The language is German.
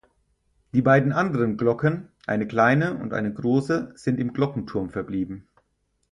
Die beiden anderen Glocken, eine kleine und eine große sind im Glockenturm verblieben.